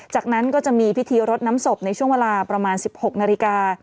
จากนั้นก็จะมีพิธีรดน้ำศพในช่วงเวลาประมาณ๑๖นาฬิกา